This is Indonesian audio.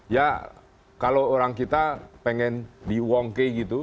ya kalau orang kita pengen diwongke gitu